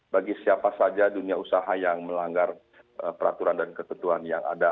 bagi siapa saja dunia usaha yang melanggar peraturan dan ketentuan yang ada